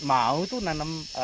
mau tuh nanam